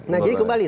nah jadi kembali